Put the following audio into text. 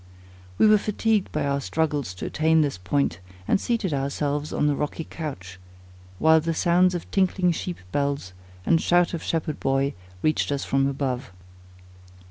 We were fatigued by our struggles to attain this point, and seated ourselves on the rocky couch, while the sounds of tinkling sheep bells, and shout of shepherd boy, reached us from above.